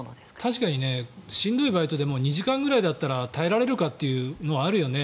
確かにしんどいバイトでも２時間くらいだったら耐えられるかというのはあるよね。